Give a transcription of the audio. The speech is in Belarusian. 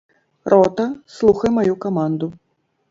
Рота, слухай маю каманду!